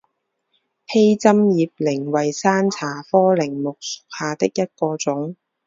披针叶柃为山茶科柃木属下的一个种。